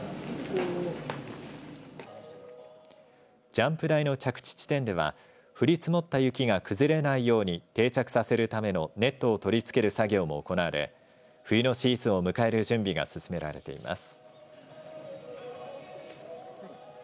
ジャンプ台の着地地点では降り積もった雪が崩れないように定着させるためのネットを取りつける作業も行われ冬のシーズンを迎える準備が進められています。